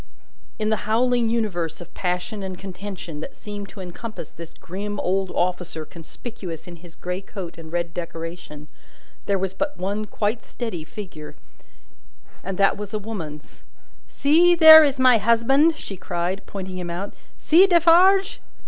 In the howling universe of passion and contention that seemed to encompass this grim old officer conspicuous in his grey coat and red decoration, there was but one quite steady figure, and that was a woman's. "See, there is my husband!" she cried, pointing him out. "See Defarge!"